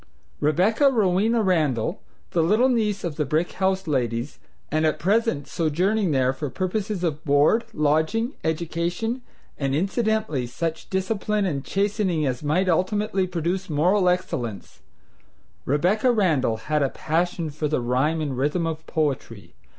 Rebecca Rowena Randall, the little niece of the brick house ladies, and at present sojourning there for purposes of board, lodging, education, and incidentally such discipline and chastening as might ultimately produce moral excellence, Rebecca Randall had a passion for the rhyme and rhythm of poetry.